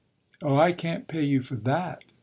"Oh I can't pay you for that!"